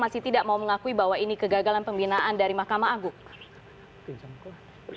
masih tidak mau mengakui bahwa ini kegagalan pembinaan dari mahkamah agung